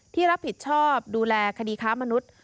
ที่รับผิดชอบดูแลคดีค้ามนุษย์